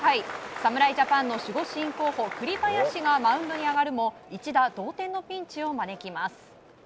侍ジャパンの守護神候補栗林がマウンドに上がるも一打同点のピンチを招きます。